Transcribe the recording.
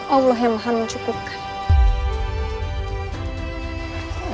allah yang maha mencukupkan